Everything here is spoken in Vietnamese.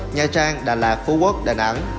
nha trang đà lạt phú quốc đà nẵng